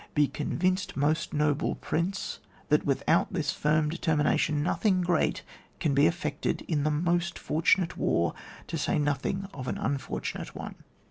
Be convinced, most noble prince, that without this firm determina tion nothing great can be effected in the most fortimate war, to say nothing of an unfortunate one.